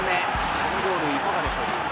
このゴール、いかがでしょうか。